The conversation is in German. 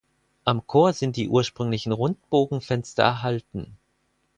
Am Chor sind die ursprünglichen Rundbogenfenster erhalten.